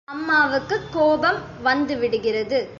அம்மாவுக்குக் கோபம் வந்துவிடுகிறது.